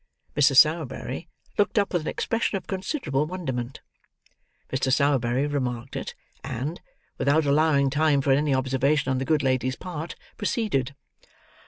Mrs. Sowerberry looked up with an expression of considerable wonderment. Mr. Sowerberry remarked it and, without allowing time for any observation on the good lady's part, proceeded.